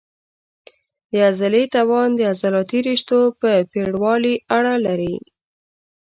د عضلې توان د عضلاتي رشتو په پېړوالي اړه لري.